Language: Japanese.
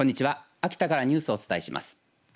秋田からニュースをお伝えします。